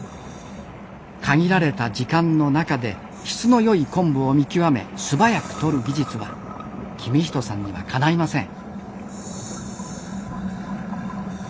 限られた時間の中で質の良い昆布を見極め素早くとる技術は公人さんにはかないません。